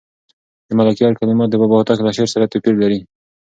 د ملکیار کلمات د بابا هوتک له شعر سره توپیر لري.